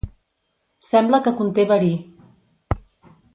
Sembla que conté verí.